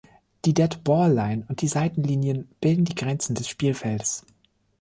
Die Dead-Ball-Line und die Seitenlinien bilden die Grenzen des Spielfelds.